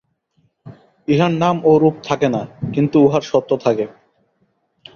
ইহার নাম ও রূপ থাকে না, কিন্তু ইহার সত্ত্ব থাকে।